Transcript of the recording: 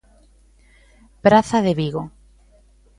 Praza de Vigo.